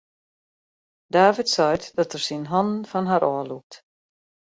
David seit dat er syn hannen fan har ôflûkt.